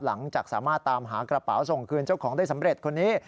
หลังจากสามารถตามหากระเป๋าส่งคืนเจ้าของได้สำเร็จคนนี้